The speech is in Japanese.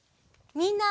みんな！